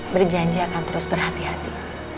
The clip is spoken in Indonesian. berjanji akan terus berhati hati